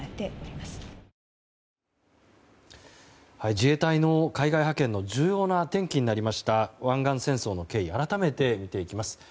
自衛隊の海外派遣の重要な転機になりました湾岸戦争の経緯を改めて見ていきます。